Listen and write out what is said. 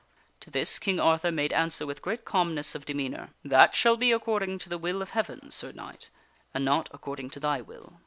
To this King Arthur made answer with great calmness of demeanor :" That shall be according to the will of Heaven, Sir Knight, and not ac cording to thy will."